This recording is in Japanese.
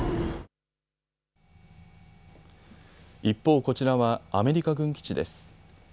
一方、こちらはアメリカ軍基地です。